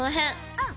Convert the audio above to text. うん。